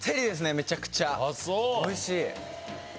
おいしい！